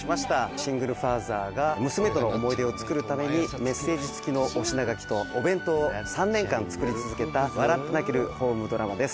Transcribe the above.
シングルファーザーが娘との思い出をつくるためにメッセージ付きのお品書きとお弁当を３年間作り続けた笑って泣けるホームドラマです